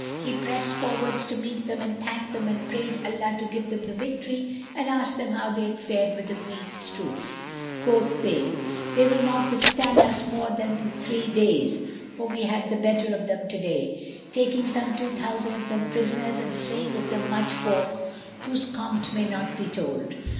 He pressed forwards to meet them and thanked them and prayed Allah to give them the victory and asked them how they had fared with the Queen's troops. Quoth they, "They will not withstand us more than three days, for we had the better of them to day, taking some two thousand of them prisoners and slaying of them much folk whose compt may not be told.